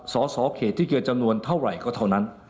สสเขตที่เกินจำนวนเท่าไหร่ก็เท่านั้น